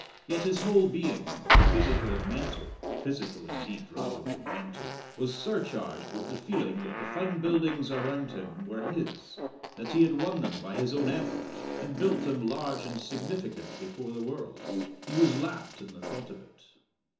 Yet his whole being, physical and mental (physical, indeed, rather than mental), was surcharged with the feeling that the fine buildings around him were his, that he had won them by his own effort, and built them large and significant before the world. He was lapped in the thought of it.